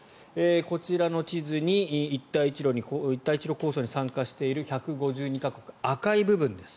こちらの地図に一帯一路構想に参加している１５２か国赤い部分です。